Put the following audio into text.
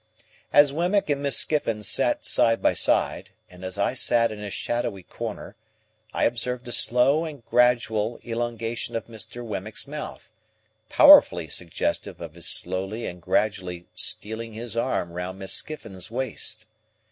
As Wemmick and Miss Skiffins sat side by side, and as I sat in a shadowy corner, I observed a slow and gradual elongation of Mr. Wemmick's mouth, powerfully suggestive of his slowly and gradually stealing his arm round Miss Skiffins's waist.